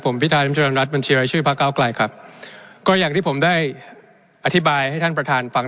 ผมพิธาริมเจริญรัฐบัญชีรายชื่อพระเก้าไกลครับก็อย่างที่ผมได้อธิบายให้ท่านประธานฟัง